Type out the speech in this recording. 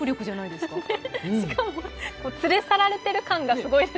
しかも連れ去られている感がすごいですね。